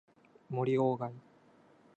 森鴎外